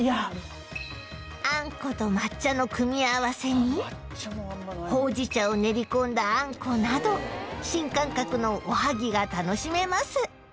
あんこと抹茶の組み合わせにほうじ茶を練り込んだあんこなど新感覚のおはぎが楽しめます